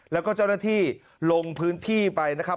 แล้วก็เจ้าหน้าที่ลงพื้นที่ไปนะครับ